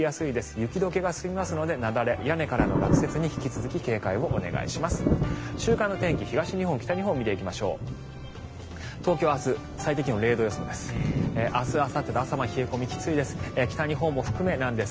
雪解けが進みますので雪崩、屋根からの落雪に引き続き警戒をお願いします。